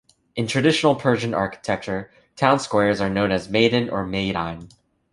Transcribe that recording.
In traditional Persian architecture, town squares are known as maydan or meydan.